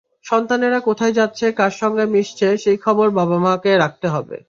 সন্তানেরা কোথায় যাচ্ছে, কার সঙ্গে মিশছে, সেই খবর বাবা-মাকে রাখতে হবে।